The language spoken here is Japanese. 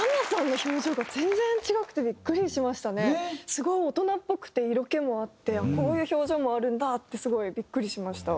すごい大人っぽくて色気もあってこういう表情もあるんだってすごいビックリしました。